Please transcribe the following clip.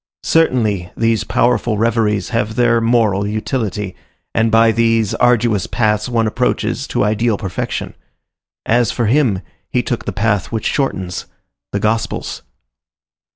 Certainly, these powerful reveries have their moral utility, and by these arduous paths one approaches to ideal perfection. As for him, he took the path which shortens,—the Gospel's.